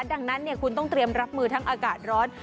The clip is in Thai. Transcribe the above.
ดังนั้นคุณต้องเตรียมรับมือทั้งอากาศร้อน